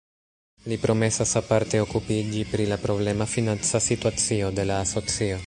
Li promesas aparte okupiĝi pri la problema financa situacio de la asocio.